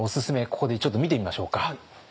ここでちょっと見てみましょうか。